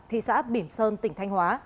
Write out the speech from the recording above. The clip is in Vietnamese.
thị xã bỉm sơn tỉnh thanh hóa